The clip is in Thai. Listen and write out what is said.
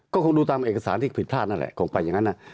ก็คงดูตามเอกสารที่ผิดพลาดนั่นแหละคงไปอย่างนั้น